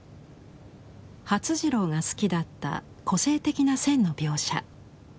發次郎が好きだった個性的な線の描写。